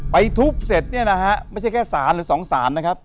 ทุบเสร็จเนี่ยนะฮะไม่ใช่แค่สารหรือสองสารนะครับ